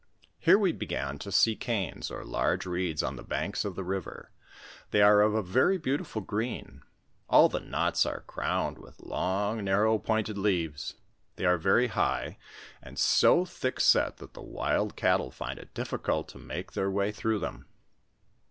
Here we began to see canes, or large reeds on the banks of the river ; they are of a very beautiful green ; all the knots are crowned with long, narrow, pointed leaves ; they are very high, and so thicknset, that the wild cattle find it difScult to make their way through them.